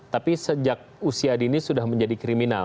tapi sejak usia dini sudah menjadi kriminal